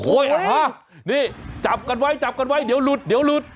โอ้โหจับกันไว้เดี๋ยวหลุดเดี๋ยวหลุด